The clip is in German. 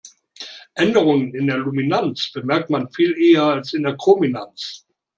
Änderungen in der Luminanz bemerkt man viel eher als in der Chrominanz.